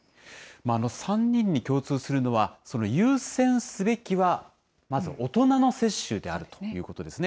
３人に共通するのは、優先すべきはまず大人の接種であるということですね。